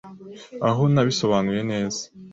aho nabisobanuye neza